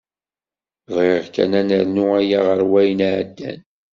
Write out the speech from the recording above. Bɣiɣ kan ad nernu aya ɣer wayen iεeddan.